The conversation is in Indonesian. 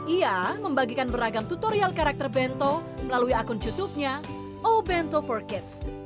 ia juga membuat bentou yang terkenal seperti yang terlihat di video ini